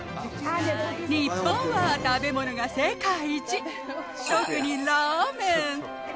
日本は食べ物が世界一。特にラーメン。